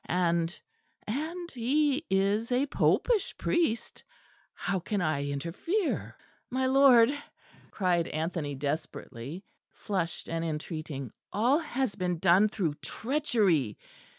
And and he is a popish priest! How can I interfere?" "My lord," cried Anthony desperately, flushed and entreating, "all has been done through treachery.